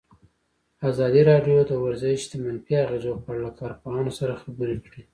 ازادي راډیو د ورزش د منفي اغېزو په اړه له کارپوهانو سره خبرې کړي.